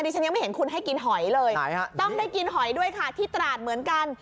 ฉันยังไม่เห็นคุณให้กินหอยเลยต้องได้กินหอยด้วยค่ะที่ตราดเหมือนกัน